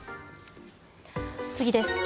次です。